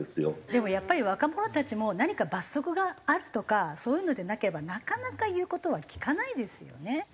でもやっぱり若者達も何か罰則があるとかそういうのでなければなかなか言う事は聞かないですよね。